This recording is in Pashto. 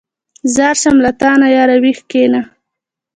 ځار شم له تانه ياره ویښ کېنه.